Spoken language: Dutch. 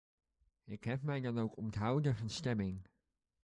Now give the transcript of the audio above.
Ik heb mij dan ook onthouden van stemming.